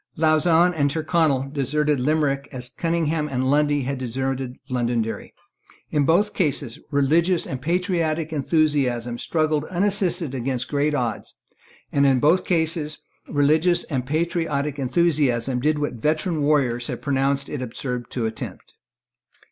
Lauzun and Tyrconnel deserted Limerick as Cunningham and Lundy had deserted Londonderry. In both cases, religious and patriotic enthusiasm struggled unassisted against great odds; and, in both cases, religious and patriotic enthusiasm did what veteran warriors had pronounced it absurd to attempt.